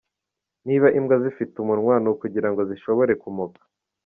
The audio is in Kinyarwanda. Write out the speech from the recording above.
"Niba imbwa zifite umunwa, ni ukugira ngo zishobore kumoka".